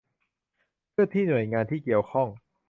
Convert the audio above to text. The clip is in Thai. เพื่อที่หน่วยงานที่เกี่ยวข้อง